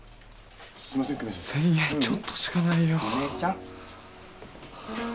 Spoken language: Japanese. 千円ちょっとしかないよ